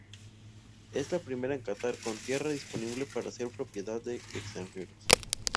Es la primera en Qatar con tierra disponible para ser propiedad de extranjeros.